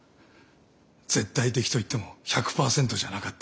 絶対的といっても１００％じゃなかった。